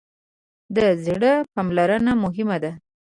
د زړه پاملرنه مهمه ده.